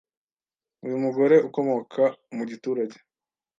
Uyu mugore ukomoka mu giturage